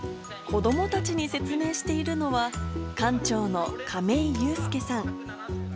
子どもたちに説明しているのは、館長の亀井裕介さん。